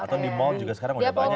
atau di mall juga sekarang udah banyak